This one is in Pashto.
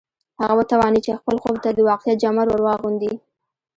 هغه وتوانېد چې خپل خوب ته د واقعیت جامه ور واغوندي